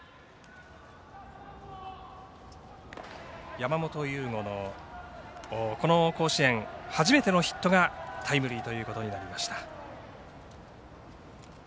山本由吾の甲子園初めてのヒットがタイムリーということになりました。